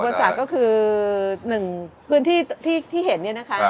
อุปสรรคก็คือหนึ่งพื้นที่ที่เห็นเนี่ยนะคะ